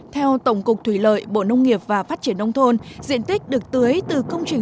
theo tổng cục thủy lợi bộ nông nghiệp và phát triển nông thôn diện tích được tưới từ công trình